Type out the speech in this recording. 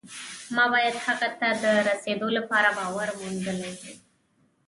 ما باید هغه ته د رسېدو لپاره باور موندلی وي